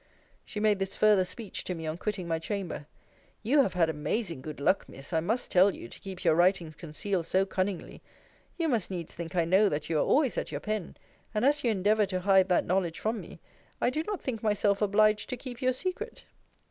She made this further speech to me on quitting my chamber You have had amazing good luck, Miss. I must tell you, to keep your writings concealed so cunningly. You must needs think I know that you are always at your pen: and as you endeavour to hide that knowledge from me, I do not think myself obliged to keep your secret.